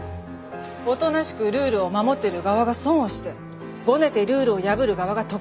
おとなしくルールを守ってる側が損をしてごねてルールを破る側が得をする。